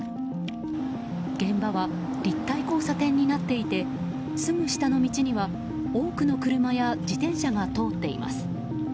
現場は立体交差点になっていてすぐ下の道には多くの車や自転車が通っています。